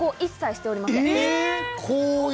着色、加工、一切しておりません。